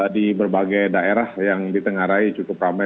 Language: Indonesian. di berbagai daerah yang ditengarai cukup ramai